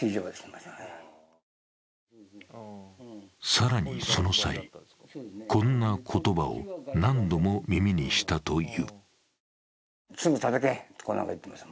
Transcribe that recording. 更にその際、こんな言葉を何度も耳にしたという。